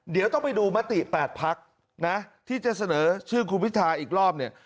เดี๋ยวต้องไปดูมติ๘พักนะที่จะเสนอชื่อคุณพิทาอีกรอบเนี่ย